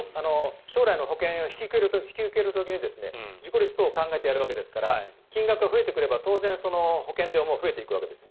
将来の保険を引き受ける時に事故率等を考えてやるわけですから金額が増えてくれば当然保険料も増えていくわけです。